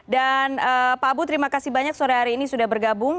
dan pak abu terima kasih banyak sore hari ini sudah bergabung